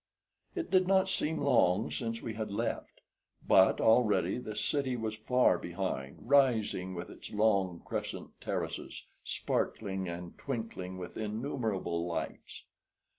It did not seem long since we had left; but already the city was far behind, rising with its long, crescent terraces, sparkling and twinkling with innumerable lights.